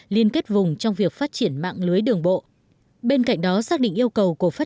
liên kết vùng trong việc phát triển mạng lưới đường bộ bên cạnh đó xác định yêu cầu của phát